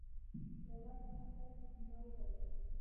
یوازې هڅه وکړه چې ما ودروې